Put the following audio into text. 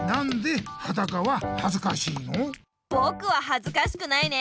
ぼくははずかしくないね。